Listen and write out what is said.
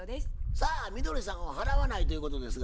さあみどりさんは払わないということですが？